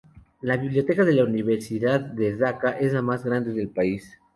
La biblioteca de la Universidad de Daca es la más grande del país.